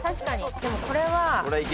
でもこれは。